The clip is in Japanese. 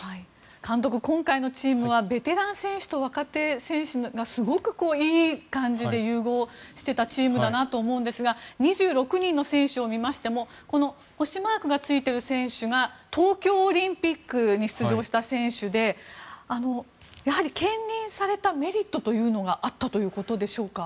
監督、今回のチームはベテラン選手と若手選手がすごくいい感じで融合していたチームだなと思うんですが２６人の選手を見ましても星マークがついている選手が東京オリンピックに出場した選手でやはり兼任されたメリットというのがあったということでしょうか。